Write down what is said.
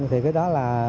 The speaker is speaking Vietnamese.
thì cái đó là